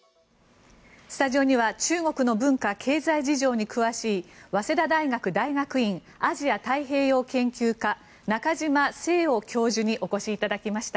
スタジオには中国の文化・経済事情に詳しい早稲田大学大学院アジア太平洋研究科中嶋聖雄教授にお越しいただきました。